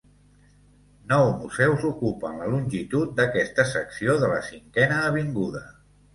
Nou museus ocupen la longitud d'aquesta secció de la Cinquena Avinguda.